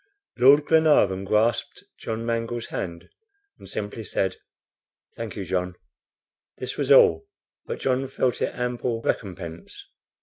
Lord Glenarvan grasped John Mangles' hand, and simply said: "Thank you, John." This was all, but John felt it ample recompense.